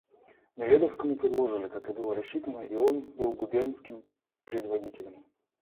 Неведовскому переложили, как и было рассчитано, и он был губернским предводителем.